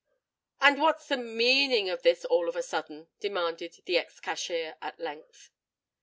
"And what's the meaning of this all of a sudden?" demanded the ex cashier at length.